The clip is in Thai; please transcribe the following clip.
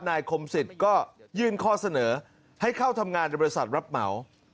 คมสิทธิ์ก็ยื่นข้อเสนอให้เข้าทำงานในบริษัทรับเหมา